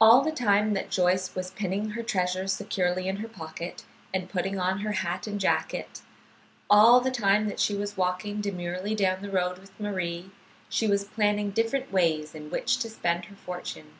All the time that Joyce was pinning her treasure securely in her pocket and putting on her hat and jacket, all the time that she was walking demurely down the road with Marie, she was planning different ways in which to spend her fortune.